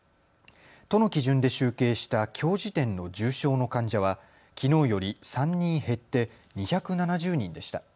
都の基準で集計したきょう時点の重症の患者はきのうより３人減って２７０人でした。